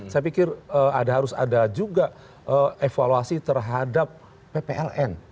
saya pikir harus ada juga evaluasi terhadap ppln